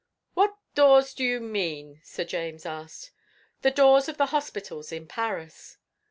"What doors do you mean?" Sir James asked. "The doors of the hospitals in Paris."